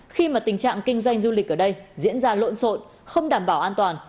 khi mà tình trạng kinh doanh du lịch ở đây diễn ra lộn xộn không đảm bảo an toàn